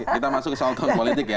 kita masuk ke soal tahun politik ya